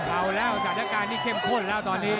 เอาแล้วสถานการณ์นี้เข้มข้นแล้วตอนนี้